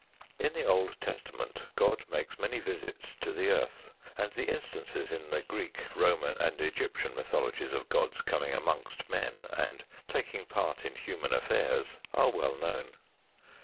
In the Old Testament God makes many visits to the earth; and the instances in the Greek, Roman, and Egyptian mythologies of gods coming amongst men and taking part in human affairs are well known.